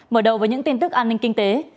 mở đầu với những tin tức an ninh kinh tế